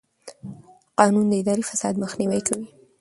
قانون د اداري فساد مخنیوی کوي.